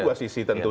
ada dua sisi tentu